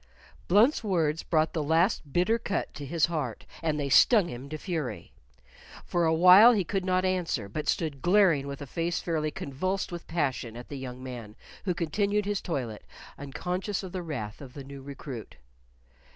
Blunt's words brought the last bitter cut to his heart, and they stung him to fury. For a while he could not answer, but stood glaring with a face fairly convulsed with passion at the young man, who continued his toilet, unconscious of the wrath of the new recruit.